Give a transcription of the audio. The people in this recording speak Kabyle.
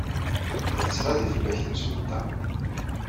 La tettnadi fell-ak temsulta.